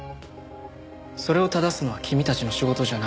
それを正すのは君たちの仕事じゃない。